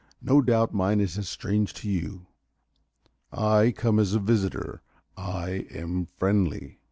No doubt mine is as strange to you. I come as a visitor I am friendly."